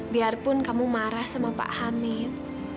biarpun kamu marah sama pak amin